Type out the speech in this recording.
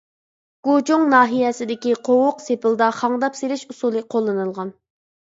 گۇچۇڭ ناھىيەسىدىكى قوۋۇق سېپىلىدا خاڭداپ سېلىش ئۇسۇلى قوللىنىلغان.